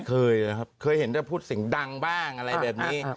เคยนะครับเคยเห็นแต่พูดเสียงดังบ้างอะไรแบบนี้